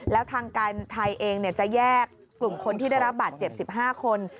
แล้วทางการไทยเองจะแยกกลุ่มคนที่ได้รับบาดเจ็บ๑๕คน